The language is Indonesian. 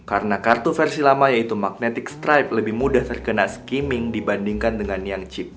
karena kartu versi lama yaitu magnetic stripe lebih mudah terkena skimming dibandingkan dengan yang chip